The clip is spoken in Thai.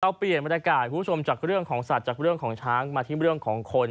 เปลี่ยนบรรยากาศคุณผู้ชมจากเรื่องของสัตว์จากเรื่องของช้างมาที่เรื่องของคน